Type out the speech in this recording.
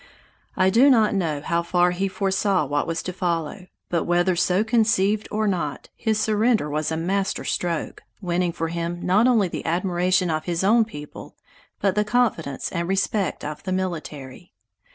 I do not know how far he foresaw what was to follow; but whether so conceived or not, his surrender was a master stroke, winning for him not only the admiration of his own people but the confidence and respect of the military.